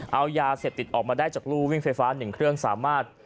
เอายาเสพติดออกมาได้จากรูวิ่งไฟฟ้า๑เครื่องสามารถ